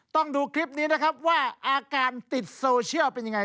ต้องดูคลิปนี้นะครับว่าอาการติดโซเชียลเป็นยังไง